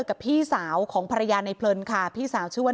กับพี่สาวของภรรยาในเพลินค่ะพี่สาวชื่อว่า